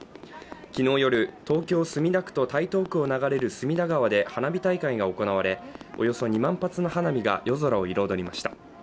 昨日夜、東京・墨田区と台東区を流れる隅田川で花火大会が行われおよそ２万発の花火が夜空を彩りました。